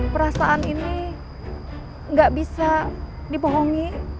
perasaan ini nggak bisa dibohongi